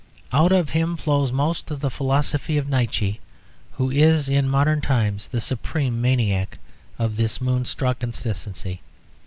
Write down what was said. Out of him flows most of the philosophy of Nietzsche, who is in modern times the supreme maniac of this moonstruck consistency.